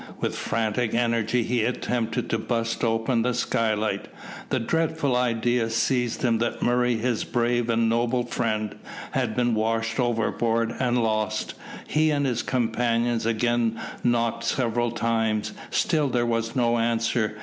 With frantic energy he attempted to burst open the skylight. The dreadful idea seized him that Murray, his brave and noble friend, had been washed overboard and lost. He and his companions again knocked several times. Still there was no answer.